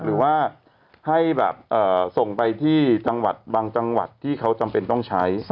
หรือว่าให้ส่งไปที่บางจังหวัดที่เขาจำเป็นต้องใช้